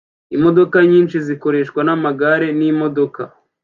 Imodoka nyinshi zikorwa namagare n'imodoka